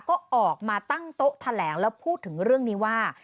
ก็ออกมาตั้งโต๊ะแถลงแล้วพูดถึงเรื่องนี้ว่า